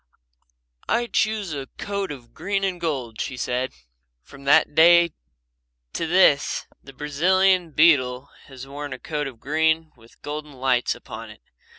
"I choose a coat of green and gold," she said. From that day to this the Brazilian beetle has worn a coat of green with golden lights upon it.